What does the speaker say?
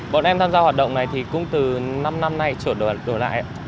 bọn em tham gia hoạt động này cũng từ năm năm nay trở lại